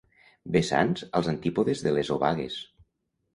Vessants als antípodes de les obagues.